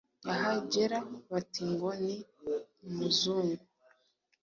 yahagera bati ngo ni umzungu,